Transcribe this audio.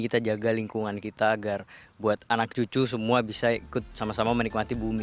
kita jaga lingkungan kita agar buat anak cucu semua bisa ikut sama sama menikmati bumi